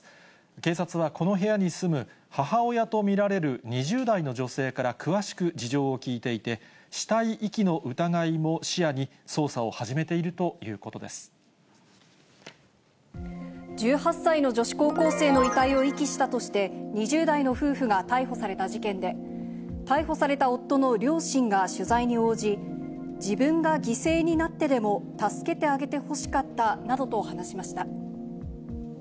警察は、この部屋に住む母親と見られる２０代の女性から詳しく事情を聴いていて、死体遺棄の疑いも視野に、捜査を始めているということ１８歳の女子高校生の遺体を遺棄したとして、２０代の夫婦が逮捕された事件で、逮捕された夫の両親が取材に応じ、自分が犠牲になってでも助けてあげてほしかったなどと話しました。